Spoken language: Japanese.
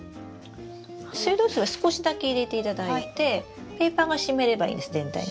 水道水は少しだけ入れていただいてペーパーが湿ればいいんです全体に。